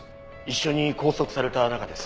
一緒に拘束された仲です